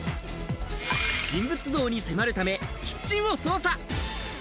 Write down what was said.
人物像に迫るため、キッチンを捜査。